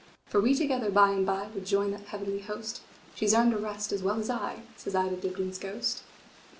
For we together by and byWould join that heavenly host; She 's earned a rest as well as I,"Says I to Dibdin's ghost.